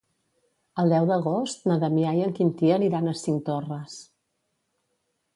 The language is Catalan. El deu d'agost na Damià i en Quintí aniran a Cinctorres.